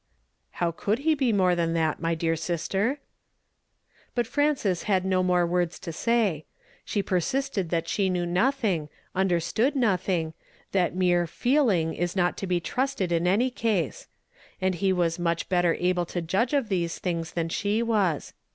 "How could he be more than that, my dear sister? " But Frances had no nion; words to say. She l)ersisted that she knew nothing, unrlei stood iioth iug, that mere "feeling" is not to be trusted in any case ; and he was much better able to judo e of these things than she was.